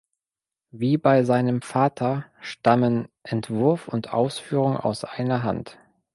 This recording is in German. Wie bei seinem Vater stammen Entwurf und Ausführung aus einer Hand.